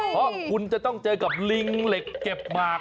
เพราะคุณจะต้องเจอกับลิงเหล็กเก็บหมาก